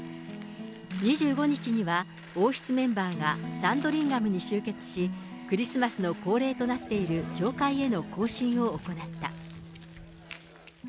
２５日には、王室メンバーがサンドリンガムに集結し、クリスマスの恒例となっている教会への行進を行った。